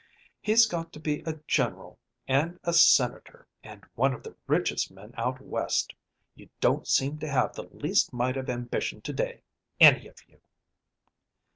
He's got to be a general and a Senator, and one of the richest men out West. You don't seem to have the least mite of ambition to day, any of you!"